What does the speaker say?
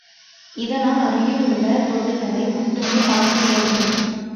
இதனால் அருகிலுள்ள பொருள்களை மட்டுமே பார்க்க இயலும்.